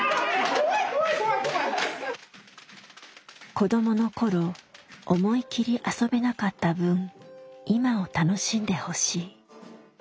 子どもの頃思い切り遊べなかった分今を楽しんでほしい。